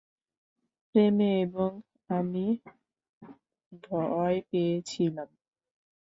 প্রেমে এবং আমি ভয় পেয়েছিলাম।